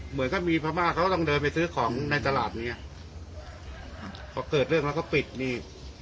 เหมือนก็มีพม่าเขาต้องเดินไปซื้อของในตลาดเนี้ยอ่าพอเกิดเรื่องแล้วก็ปิดนี่